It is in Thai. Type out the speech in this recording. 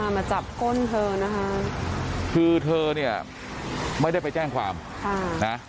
มาจับก้นเธอนะคะคือเธอเนี่ยไม่ได้ไปแจ้งความนะ